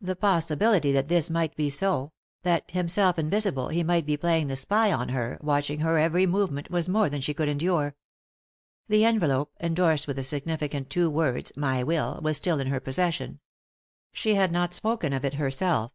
The possibility that this might be so ; that, him self invisible, he might be playing the spy on her, watching her every movement, was more than she could endure. The envelope, endorsed with the 115 3i 9 iii^d by Google THE INTERRUPTED KISS significant two words, "My Will/' was still in her possession. She had not spoken of it herself.